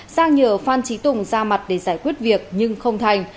sang nhờ phan trí tùng ra mặt để giải quyết việc nhưng không thành